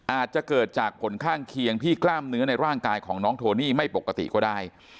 อาจจะเกิดจากผลข้างเคียงที่กล้ามเนื้อในร่างกายของน้องโทนี่ไม่ปกติก็ได้